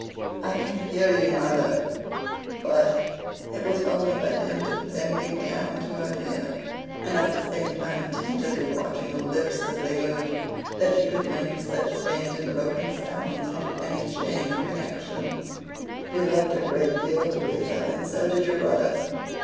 'I can hear you, mother.' But, it was only by dint of bending down to her ear, and at the same time attentively watching the lips as they moved, that she could link such faint and broken sounds into any chain of connexion. 'You learnt a great deal, Louisa, and so did your brother.